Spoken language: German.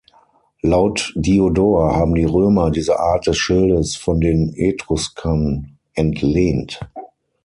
Laut Diodor haben die Römer diese Art des Schildes von den Etruskern entlehnt.